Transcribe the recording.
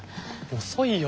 遅いよ！